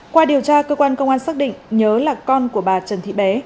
qua điều tra cơ quan công an xác định nhớ là con của bà trần thị bé